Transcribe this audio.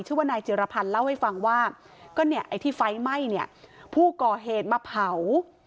ชื่อว่านายจิรพันธ์เล่าให้ฟังว่าก็เนี่ยไอ้ที่ไฟไหม้เนี่ยผู้ก่อเหตุมาเผา